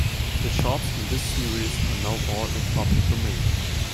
The shorts in this series are now all in the public domain.